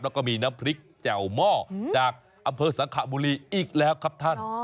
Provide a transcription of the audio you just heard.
แล้วก็มีน้ำพริกแจ่วหม้อจากอำเภอสังขบุรีอีกแล้วครับท่าน